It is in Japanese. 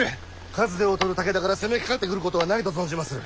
数で劣る武田から攻めかかってくることはないと存じまする。